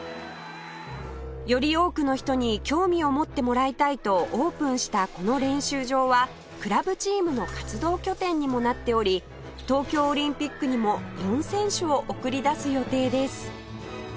より多くの人に興味を持ってもらいたいとオープンしたこの練習場はクラブチームの活動拠点にもなっており東京オリンピックにも４選手を送り出す予定です